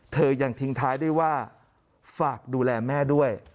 เธอยังทิ้งท้ายด้วยว่าฝากดูแลแม่ด้วย